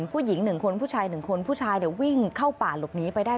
ผู้หญิง๑คนผู้ชาย๑คนผู้ชายวิ่งเข้าป่าหลบหนีไปได้